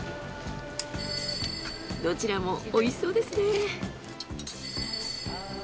どちらも美味しそうですね。